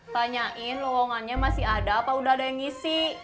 tanyain lowongannya masih ada apa udah ada yang ngisi